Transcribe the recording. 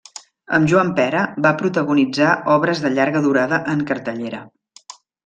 Amb Joan Pera va protagonitzar obres de llarga durada en cartellera.